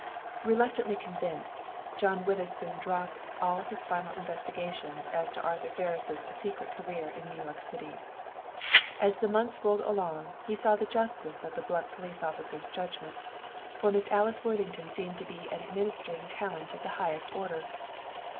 Reluctantly convinced, John Witherspoon dropped all his final investigations as to Arthur Ferris' secret career in New York City. As the months rolled along he saw the justice of the blunt police officer's judgment, for Miss Alice Worthington seemed to be an administering talent of the highest order.